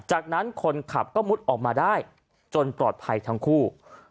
จากนั้นคนขับก็มุดออกมาได้จนปลอดภัยทั้งคู่